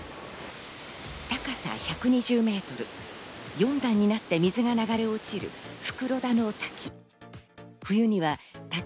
高さ１２０メートル、４段になって水が流れ落ちる袋田の滝。